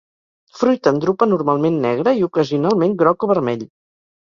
Fruit en drupa normalment negre i ocasionalment groc o vermell.